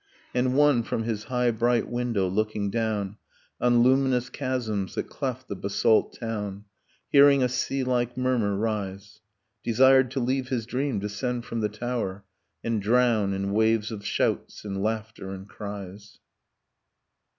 And one, from his high bright window looking down On luminous chasms that cleft the basalt town, Hearing a sea like murmur rise, Desired to leave his dream, descend from the tower, And drown in waves of shouts and laughter and cries.